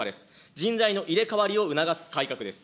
人材の入れかわりを促す改革です。